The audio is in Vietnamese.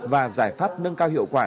và giải pháp nâng cao hiệu quả